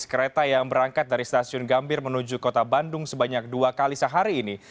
kereta yang berangkat dari stasiun gambir menuju kota bandung sebanyak dua kali sehari ini